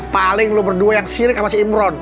paling lu berdua yang sirik sama si imron